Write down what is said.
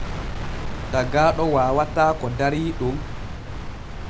Tagaaɗo waawataa ko darii ɗon.